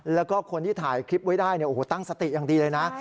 แล้วก็คนที่ถ่ายคลิปไว้ได้เนี่ยโอ้โหตั้งสติอย่างดีเลยนะ